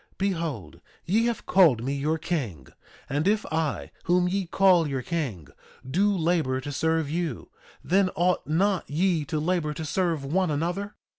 2:18 Behold, ye have called me your king; and if I, whom ye call your king, do labor to serve you, then ought not ye to labor to serve one another?